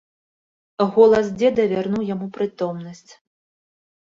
Голас дзеда вярнуў яму прытомнасць.